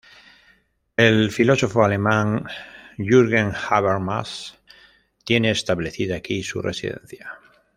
El filósofo alemán Jürgen Habermas tiene establecida aquí su residencia.